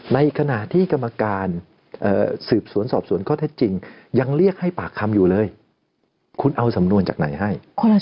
ในขณะที่กรรมการสืบสวนสอบสวนข้อเท็จจริงยังเรียกให้ปากคำอยู่เลยคุณเอาสำนวนจากไหนให้